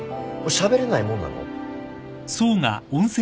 しゃべれないもんなの？